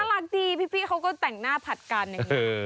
รักดีพี่เขาก็แต่งหน้าผัดกันอย่างนี้